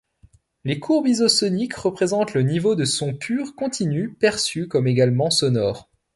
Les courbes isosoniques représentent le niveau de sons purs continus perçus comme également sonores.